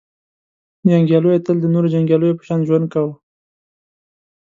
• جنګیالیو تل د نورو جنګیالیو په شان ژوند کاوه.